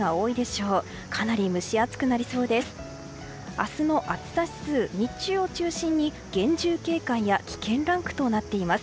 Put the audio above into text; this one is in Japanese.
明日の暑さ指数、日中を中心に厳重警戒や危険ランクとなっています。